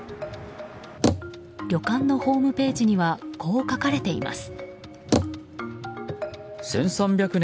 旅館のホームページにはこう書かれています。